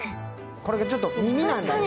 これがちょっと耳なんだね。